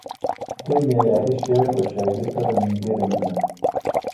دوي معياري شعر و شاعرۍ سره ډېره مينه